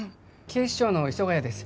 警視庁の磯ヶ谷です